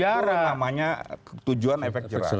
itu namanya tujuan efek jerah